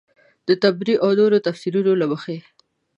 د طبري او نورو تفیسیرونو له مخې.